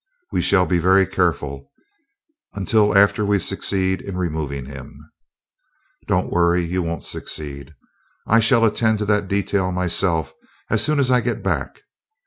We shall be very careful, until after we succeed in removing him." "Don't worry you won't succeed. I shall attend to that detail myself, as soon as I get back.